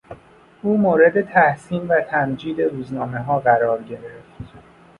او مورد تحسین و تمجید روزنامهها قرار گرفت.